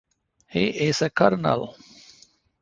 He is a colonel.